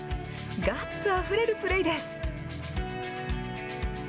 ガッツあふれるプレーです。